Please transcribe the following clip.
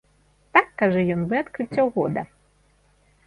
Так, кажа ён, вы адкрыццё года.